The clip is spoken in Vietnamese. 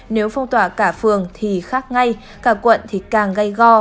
nếu phong tỏa cả phường thì khác ngay cả quận thì càng gây go